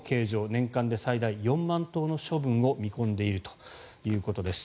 年間で最大４万頭の処分を見込んでいるということです。